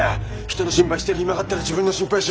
人の心配してる暇があったら自分の心配しろ！